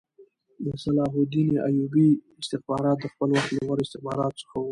د صلاح الدین ایوبي استخبارات د خپل وخت له غوره استخباراتو څخه وو